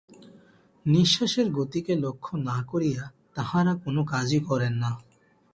নিঃশ্বাসের গতিকে লক্ষ্য না করিয়া তাঁহারা কোন কাজই করেন না।